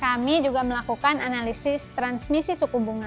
kami juga melakukan analisis transmisi suku bunga